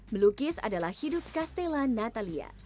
melukis adalah hidup castella natalia